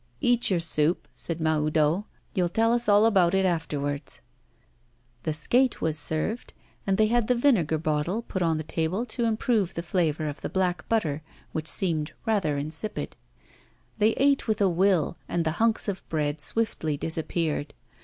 'Eat your soup,' said Mahoudeau; 'you'll tell us all about it afterwards.' The skate was served, and they had the vinegar bottle put on the table to improve the flavour of the black butter, which seemed rather insipid. They ate with a will, and the hunks of bread swiftly disappeared.